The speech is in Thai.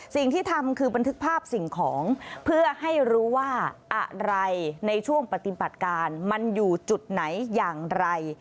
สิ่งที่ทำคือบันทึกภาพสิ่งของเพื่อให้รู้ว่าอะไรในช่วงปฏิบัติการมันอยู่จุดไหนอย่างไร